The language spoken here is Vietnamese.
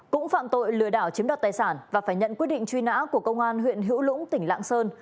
cũng phạm tội lừa đảo chiếm đoạt tài sản và phải nhận quyết định truy nã của công an huyện hữu lũng tỉnh lạng sơn